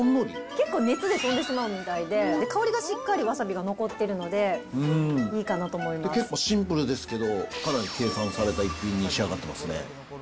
結構熱で飛んでしまうみたいで、香りがしっかりわさびが残っ結構シンプルですけど、かなり計算された一品に仕上がってますね。